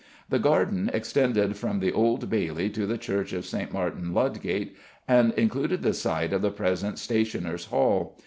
The garden extended from the Old Bailey to the Church of St. Martin, Ludgate, and included the site of the present Stationers' Hall.